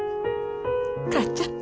母ちゃん。